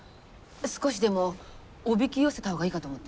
少しでもおびき寄せたほうがいいかと思って。